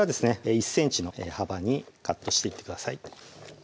１ｃｍの幅にカットしていってください